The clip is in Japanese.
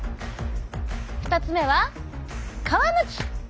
２つ目は「皮むき」。